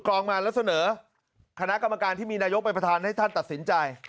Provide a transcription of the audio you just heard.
รองมาแล้วเสนอคณะกรรมการที่มีนายกเป็นประธานให้ท่านตัดสินใจ